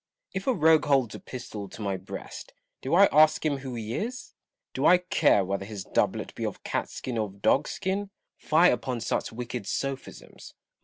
If a rogue holds a pistol to my breast, do I ask him who he is ? Do I care whether his doublet be of cat skin or of dog skin ? Fie upon such wicked sophisms